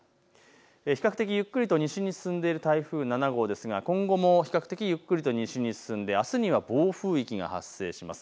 比較的ゆっくりと西に進んでいる台風７号ですが今後も比較的ゆっくり西に進んであすには暴風域が発生します。